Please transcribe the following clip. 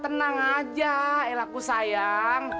tenang aja elaku sayang